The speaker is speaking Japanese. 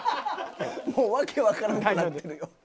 もう訳わからんくなってるよ。